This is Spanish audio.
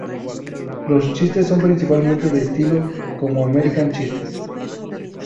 Los chistes son principalmente de estilo como American chistes.